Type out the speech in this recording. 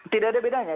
tidak ada bedanya